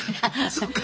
そっか。